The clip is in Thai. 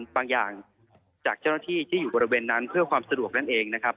บางอย่างจากเจ้าหน้าที่ที่อยู่บริเวณนั้นเพื่อความสะดวกนั่นเองนะครับ